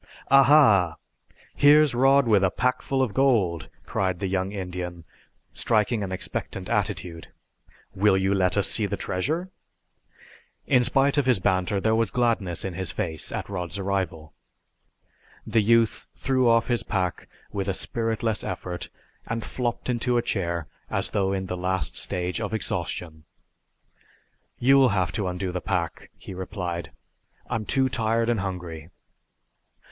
"Aha, here's Rod with a packful of gold!" cried the young Indian, striking an expectant attitude. "Will you let us see the treasure?" In spite of his banter there was gladness in his face at Rod's arrival. The youth threw off his pack with a spiritless effort and flopped into a chair as though in the last stage of exhaustion. "You'll have to undo the pack," he replied. "I'm too tired and hungry."